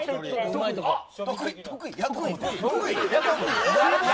得意。